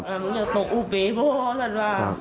มันก็ตกอุ๊บเบบ้อสันว่า